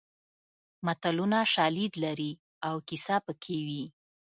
متلونه شالید لري او کیسه پکې وي